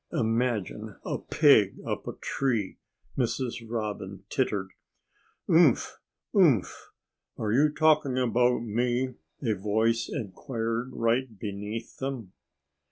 "Imagine a pig up a tree!" Mrs. Robin tittered. "Umph! Umph! Are you talking about me?" a voice inquired right beneath them.